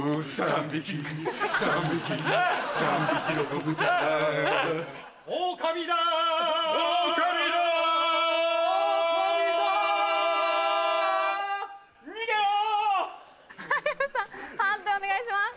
判定お願いします。